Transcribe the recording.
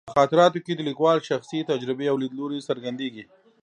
په خاطراتو کې د لیکوال شخصي تجربې او لیدلوري څرګندېږي.